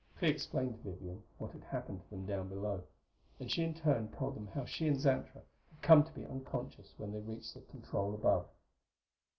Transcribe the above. Clee explained to Vivian what had happened to them down below, and she in turn told them how she and Xantra had come to be unconscious when they reached the control alcove.